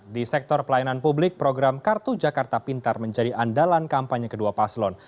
di sektor pelayanan publik program kartu jakarta pintar menjadi andalan kampanye kedua paslon